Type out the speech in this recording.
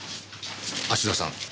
芦田さん。